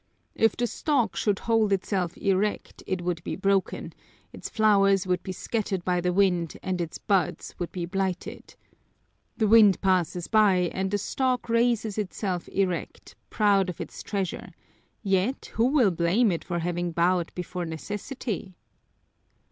If the stalk should hold itself erect it would be broken, its flowers would be scattered by the wind, and its buds would be blighted. The wind passes by and the stalk raises itself erect, proud of its treasure, yet who will blame it for having bowed before necessity?